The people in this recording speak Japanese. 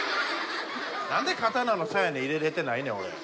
何で刀のさやに入れれてないねん俺。